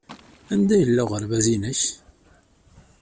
Anda yella uɣerbaz-nnek?